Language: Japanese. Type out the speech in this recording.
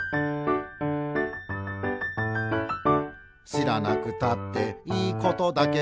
「しらなくたっていいことだけど」